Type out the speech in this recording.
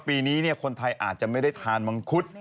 ปีนี้คนไทยอาจจะไม่ได้ทานมังคุด